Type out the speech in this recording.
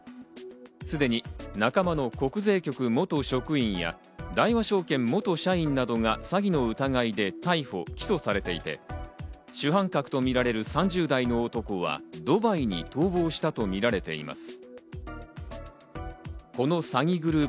すでに仲間の国税局元職員や大和証券元社員などが詐欺の疑いで逮捕・起訴されていて、主犯格とみられる３０代の男はドバイに逃亡したとみられています。